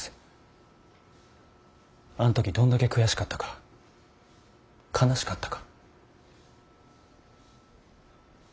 あん時どんだけ悔しかったか悲しかったか。